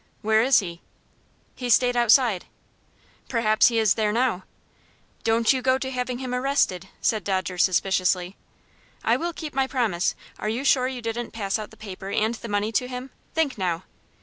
"Where is he?" "He stayed outside." "Perhaps he is there now." "Don't you go to having him arrested," said Dodger, suspiciously. "I will keep my promise. Are you sure you didn't pass out the paper and the money to him? Think now."